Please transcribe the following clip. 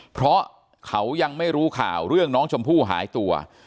เพราะเขายังไม่รู้ข่าวเรื่องน้องชมพู่หายตัว